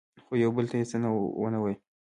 خو یو بل ته یې څه ونه ویل.